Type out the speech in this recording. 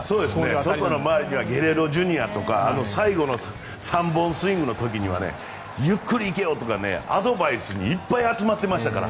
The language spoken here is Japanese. ソトの前にはゲレーロＪｒ．とか最後の３本スイングの時にはゆっくり行けよとかアドバイスにいっぱい集まってましたから。